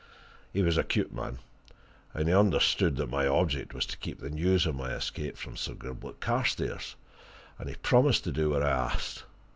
He was a cute man, and he understood that my object was to keep the news of my escape from Sir Gilbert Carstairs, and he promised to do what I asked.